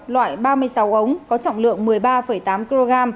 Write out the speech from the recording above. loại ba mươi sáu ống có trọng lượng một mươi ba tám kg